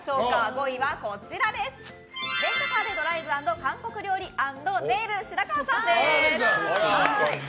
５位は、レンタカーでドライブ＆韓国料理＆ネイル白河さんです。